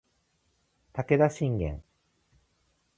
武田信玄